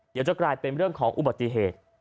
เดี๋ยวจะกลายเป็นเรื่องของอุบัติเหตุ